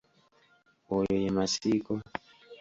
Oyo ye Masiiko.